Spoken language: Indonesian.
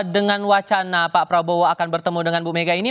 dengan wacana pak prabowo akan bertemu dengan bu mega ini